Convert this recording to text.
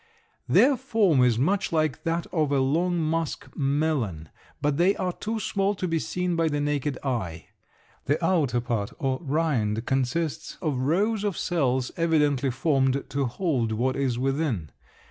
Their form is much like that of a long musk melon, but they are too small to be seen by the naked eye. The outer part or rind consists of rows of cells evidently formed to hold what is within.